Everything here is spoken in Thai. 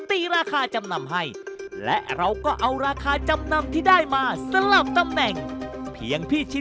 ตีราคาจำนำให้